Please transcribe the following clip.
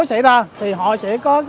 xảy ra thì họ sẽ có